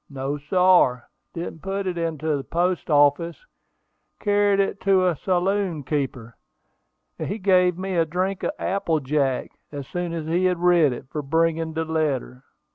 "No, sar; didn't put it into the post office; car'ed it to a saloon keeper, and he gave me a drink of apple jack, as soon as he had read it, for bringin' de letter."